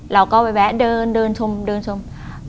เราก็ไปแวะเดินเดินชมเดินชม